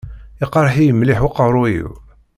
Iqerreḥ-iyi mliḥ uqerruy-iw.